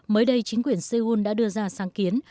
mới đây chính quyền seoul đã đưa ra sáng kiến